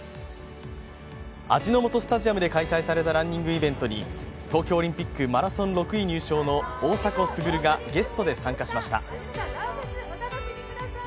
味の素スタジアムで開催されたランニングイベントに東京オリンピックマラソン６位入賞の大迫傑がゲストで参加しました。